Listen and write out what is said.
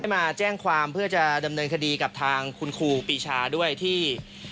มาแจ้งความเพื่อจะดำเนินคดีกับทางคุณครูปีชาด้วยที่